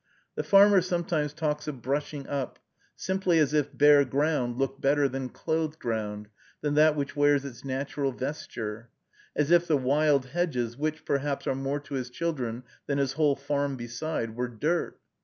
The farmer sometimes talks of "brushing up," simply as if bare ground looked better than clothed ground, than that which wears its natural vesture, as if the wild hedges, which, perhaps, are more to his children than his whole farm beside, were dirt.